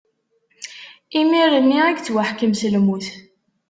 Imir-nni i yettwaḥkem s lmut.